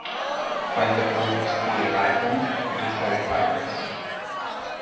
When the fruit is fully ripened, it is very fibrous.